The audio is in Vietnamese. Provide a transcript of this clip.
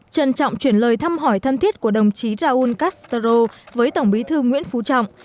trân trọng chuyển lời thăm hỏi thân thiết của đồng chí raúl castro với tổng bí thư nguyễn phú trọng